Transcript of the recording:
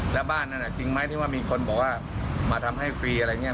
แล้วบ้านนั้นจริงไหมที่ว่ามีคนบอกว่ามาทำให้ฟรีอะไรอย่างนี้